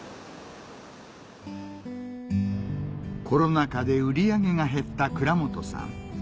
コロナ禍で売り上げが減った倉本さん